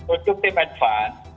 untuk tim advance